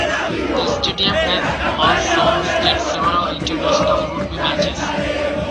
The stadium has also hosted several international rugby matches.